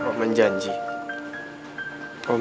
terima kasih pak